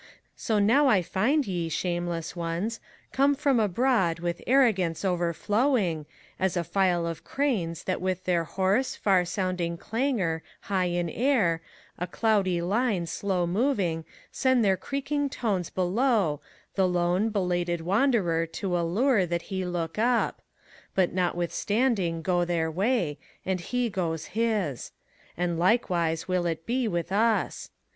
So now I find ye, shameless ones, come from abroad With arrogance overflowing, as a file of cranes That with their hoarse, far sounding clangor high in air, ACT III. 141 A dondy liney slow moTing, send their creakmg tones Belowy the k>ney belated wanderer to allure That he look up; but, nothwithstanding, go their way, And he goes his: and likewise wiU it be, with ns.